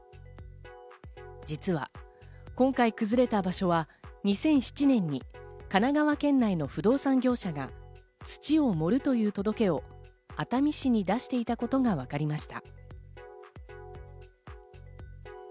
実は、今回、崩れた場所は２００７年に神奈川県内の不動産業者が土を盛るという届けを熱海市に出していたことがわかりました。